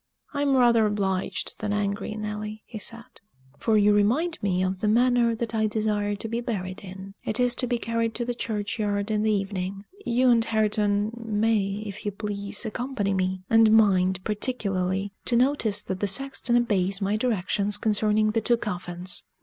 "I'm rather obliged than angry, Nelly," he said, "for you remind me of the manner that I desire to be buried in. It is to be carried to the churchyard in the evening. You and Hareton may, if you please, accompany me and mind, particularly, to notice that the sexton obeys my directions concerning the two coffins!